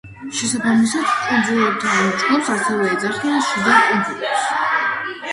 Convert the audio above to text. შესაბამისად კუნძულთა ამ ჯგუფს ასევე ეძახიან შიდა კუნძულებს.